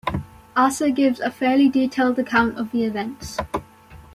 Asser gives a fairly detailed account of the events.